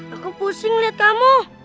aku pusing liat kamu